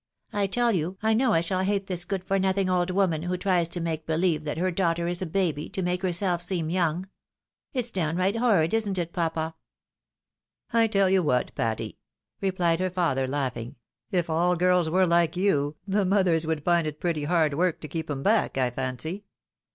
I tell you, I know I shall hate this good for nothing old woman, who tries to make believe that her daughter is a baby, to make herself seem young. It's down right horrid, isn't it, papa? " "I teU you what, Patty," replied her father, laughing ;" if aU girls were like you, the mothers would find it pretty hard work to keep 'em back, I fancy.